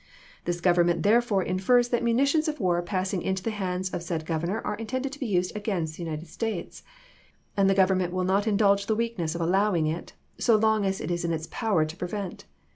This Government therefore infers that munitions of war passing into the hands of said Governor are intended to be used against the United States ; and the Government will not indulge the weak ness of allowing it, so long as it is in its power to prevent.